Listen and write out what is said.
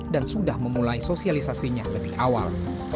dan sudah memulai sosialisasinya lebih awal